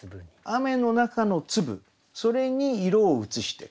雨の中の粒それに色をうつして。